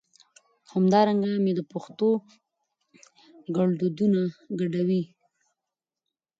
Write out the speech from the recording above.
او همدا رنګه مي د پښتو ګړدودونه ګډوډي